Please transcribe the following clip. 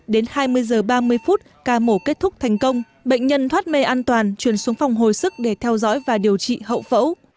đến hai mươi h ba mươi phút ca mổ kết thúc thành công bệnh nhân thoát mê an toàn chuyển xuống phòng hồi sức để theo dõi và điều trị hậu phẫu